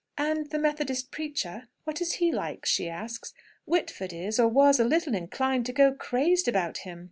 "And the Methodist preacher what is he like?" she asks. "Whitford is, or was, a little inclined to go crazed about him.